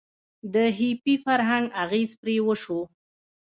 د هیپي فرهنګ اغیز پرې وشو.